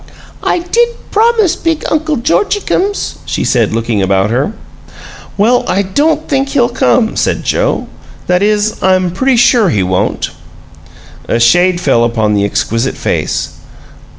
"I did promise big Untle Georgiecums," she said, looking about her. "Well, I don't think he'll come," said Joe. "That is, I'm pretty sure he won't." A shade fell upon the exquisite face.